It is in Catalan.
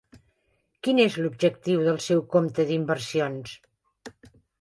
Quin és l'objectiu del seu compte d'inversions?